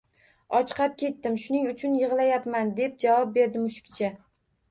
Ochqab ketdim, shuning uchun yigʻlayapman, deb javob berdi mushukcha